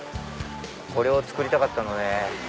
これを作りたかったのね。